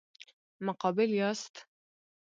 مقابل یاست.